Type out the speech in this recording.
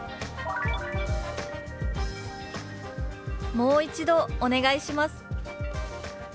「もう一度お願いします」。